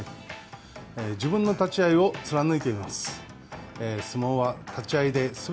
自分の立ち合いを貫いています。